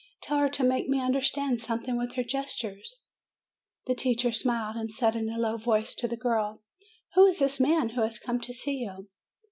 Tell her to make me understand something with her gestures." The teacher smiled, and said in a low voice to the girl, "Who is this man who has come to see you?"